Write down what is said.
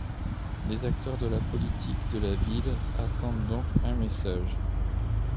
Les acteurs de la politique de la ville attendent donc un message.